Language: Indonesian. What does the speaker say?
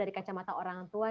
dari kacamata orang tua